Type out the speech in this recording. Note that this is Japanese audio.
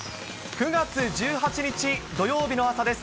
９月１８日土曜日の朝です。